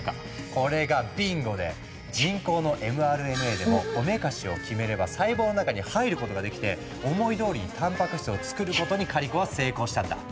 これがビンゴで人工のｍＲＮＡでもおめかしをキメれば細胞の中に入ることができて思いどおりにたんぱく質をつくることにカリコは成功したんだ。